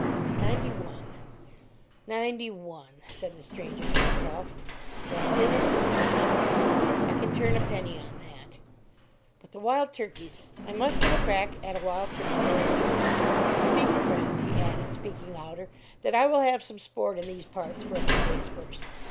"Ninety one ninety one," said the stranger, to himself. "That is a temptation! I can turn a penny on that. But the wild turkeys; I must have a crack at a wild turkey or a deer. I think, friend," he added, speaking louder, "that I will have some sport in these parts for a few days first.